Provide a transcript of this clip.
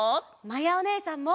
まやおねえさんも！